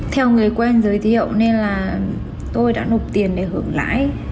theo người quen giới thiệu nên là tôi đã nộp tiền để hưởng lãi